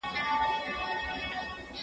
ایا شاګرد باید د ليکني بڼه مراعت کړي؟